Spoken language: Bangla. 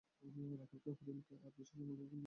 রাখালকে, হরিকে আমার বিশেষ আলিঙ্গন প্রণাম জানাইবে।